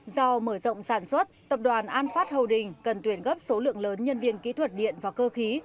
do mở rộng sản xuất tập đoàn alphat holding cần tuyển gấp số lượng lớn nhân viên kỹ thuật điện và cơ khí